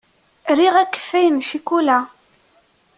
Riɣ akeffay n ccikula.